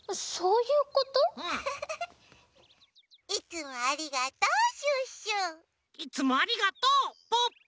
いつもありがとうポッポ。